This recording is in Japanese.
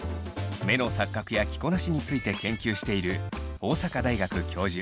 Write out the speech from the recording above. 目の錯覚や着こなしについて研究している大阪大学教授